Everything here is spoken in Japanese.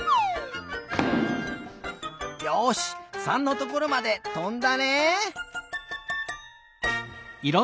よし３のところまでとんだねえ。